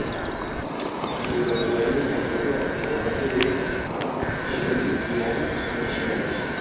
Desde los Urales en Rusia hasta el norte de Xinjiang en China.